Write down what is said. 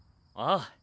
ああ。